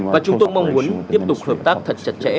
và chúng tôi mong muốn tiếp tục hợp tác thật chặt chẽ